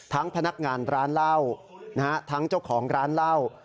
พนักงานร้านเหล้าทั้งเจ้าของร้านเหล้า